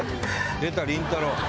出たりんたろー。